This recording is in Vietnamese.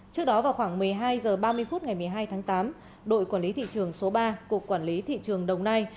trước đó vào khoảng một mươi hai h ba mươi phút ngày một mươi hai tháng tám đội quản lý thị trường số ba cục quản lý thị trường đồng nai